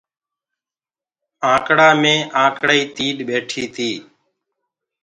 آنڪڙآ مي ٽيڏو ٻيٺو تو۔